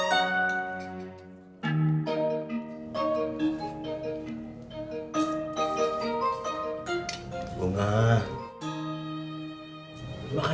assalamualaikum pak sofian